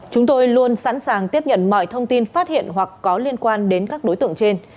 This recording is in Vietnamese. chúng tôi luôn sẵn sàng tiếp nhận mọi thông tin phát hiện hoặc có liên quan đến các đối tượng trên